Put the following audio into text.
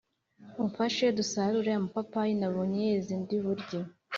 umfashe dusarure amapapayi nabonye yeze ndi burye,